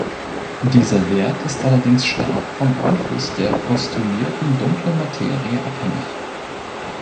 Dieser Wert ist allerdings stark vom Einfluss der postulierten Dunklen Materie abhängig.